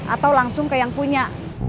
atau langsung ke yang punya